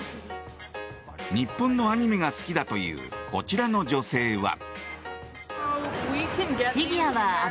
日本のアニメが好きだというこちらの女性は。